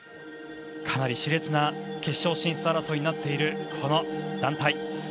かなりし烈な決勝進出争いになっているこの団体。